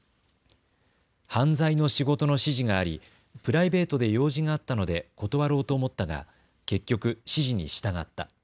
犯罪の仕事の指示がありプライベートで用事があったので断ろうと思ったが結局、指示に従った。